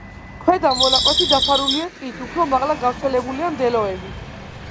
ქვედა მონაკვეთი დაფარულია ტყით, უფრო მაღლა გავრცელებულია მდელოები.